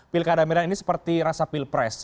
pilkada medan ini seperti rasa pilpres